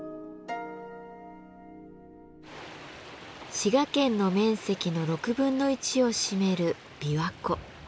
滋賀県の面積のを占める琵琶湖。